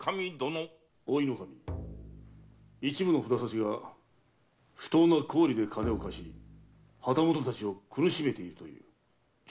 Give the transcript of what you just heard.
大炊頭一部の札差が不当な高利で金を貸し旗本たちを苦しめているという聞いておるか？